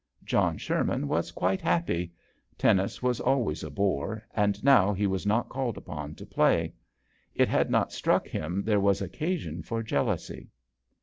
John Sherman was quite happy* Tennis was always a bore, and now he was not called upon to play. It had not struck him there was occasion for jealousy.